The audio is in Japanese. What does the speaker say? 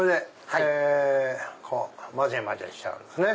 こう混ぜ混ぜしちゃうんですね。